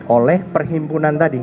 oleh perhimpunan tadi